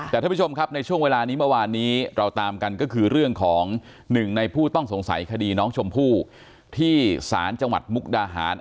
แต่ท่านผู้ชมครับในช่วงเวลานี้เมื่อวานนี้เราตามกันก็คือเรื่องของหนึ่งในผู้ต้องสงสัยคดีน้องชมพู่ที่ศาลจังหวัดมุกดาหาร